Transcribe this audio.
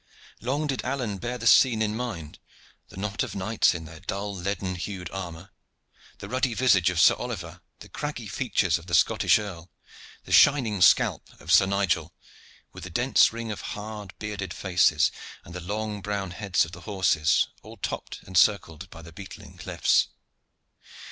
Long did Alleyne bear the scene in mind the knot of knights in their dull leaden hued armor, the ruddy visage of Sir Oliver, the craggy features of the Scottish earl, the shining scalp of Sir Nigel, with the dense ring of hard, bearded faces and the long brown heads of the horses, all topped and circled by the beetling cliffs.